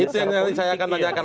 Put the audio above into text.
itu yang nanti saya akan tanyakan